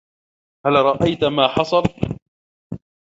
هل رأيت ما حصل؟